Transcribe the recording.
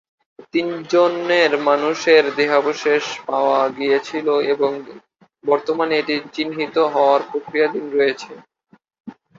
তিনজনের মানুষের দেহাবশেষ পাওয়া গিয়েছিল এবং বর্তমানে এটি চিহ্নিত হওয়ার প্রক্রিয়াধীন রয়েছে।